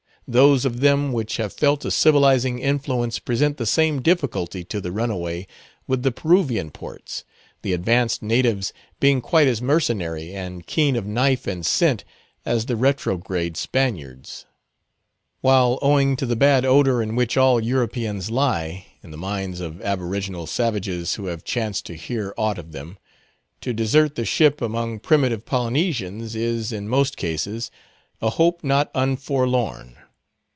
Those of them which have felt a civilizing influence present the same difficulty to the runaway with the Peruvian ports, the advanced natives being quite as mercenary and keen of knife and scent as the retrograde Spaniards; while, owing to the bad odor in which all Europeans lie, in the minds of aboriginal savages who have chanced to hear aught of them, to desert the ship among primitive Polynesians, is, in most cases, a hope not unforlorn.